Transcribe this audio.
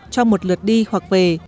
cho một lượt đi hoặc về